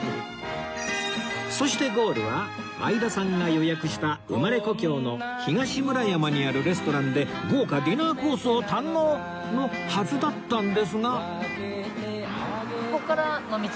そしてゴールは相田さんが予約した生まれ故郷の東村山にあるレストランで豪華ディナーコースを堪能のはずだったんですが